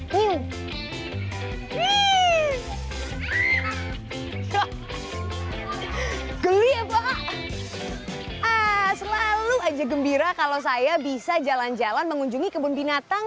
hai wih wih geli apa selalu aja gembira kalau saya bisa jalan jalan mengunjungi kebun binatang